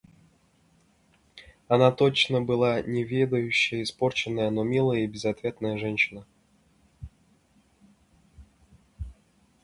Она точно была неведающая, испорченная, но милая и безответная женщина.